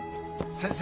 先生！